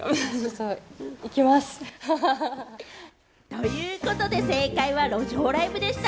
ということで正解は路上ライブでした！